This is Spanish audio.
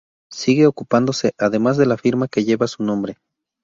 Sigue ocupándose, además, de la firma que lleva su nombre.